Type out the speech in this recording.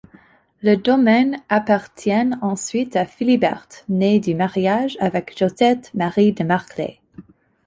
Le domaine appartient ensuite à Philibert, né du mariage avec Josephte-Marie de Marclay.